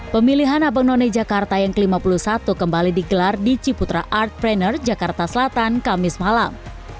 pemilihan abang none jakarta yang ke lima puluh satu kembali digelar di ciputra art planner jakarta selatan kamis malam